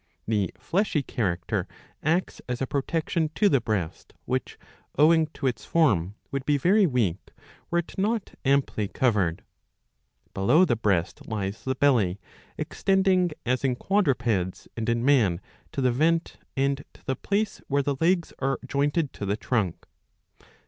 The fleshy 693 b. 132 IV, 12. character acts as a protection to the breast, which owing to its form would be very weak, were it not amply covered.^* Below the breast lies the belly, extending, as in quadrupeds and in man, to the vent and to the place where the legs are jointed to the trunk.